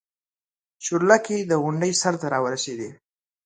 چورلکې د غونډۍ سر ته راورسېدې.